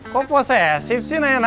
kok posesif sih nanya nanya